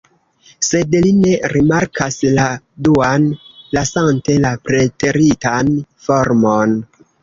Sed li ne rimarkas la duan, lasante la preteritan formon.